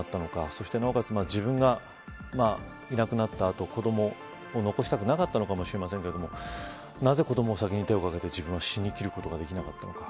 そして、なおかつ自分がいなくなった後、子どもを残したくなかったのかもしれませんがなぜ、子どもに先に手をかけて自分は死にきることができなかったのか。